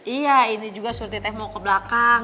iya ini juga surti teh mau kebelakang